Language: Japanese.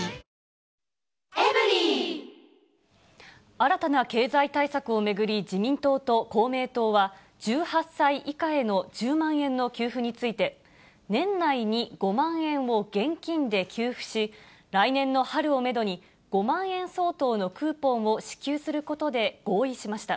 新たな経済対策を巡り、自民党と公明党は、１８歳以下への１０万円の給付について、年内に５万円を現金で給付し、来年の春をメドに、５万円相当のクーポンを支給することで合意しました。